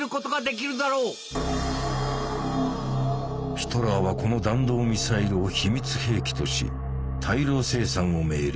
ヒトラーはこの弾道ミサイルを秘密兵器とし大量生産を命令。